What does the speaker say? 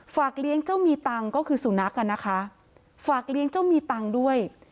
เลี้ยงเจ้ามีตังค์ก็คือสุนัขอ่ะนะคะฝากเลี้ยงเจ้ามีตังค์ด้วย